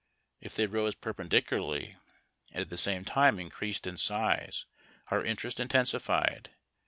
If they rose perpendicularly, and at the same time increased in size, our interest intensified.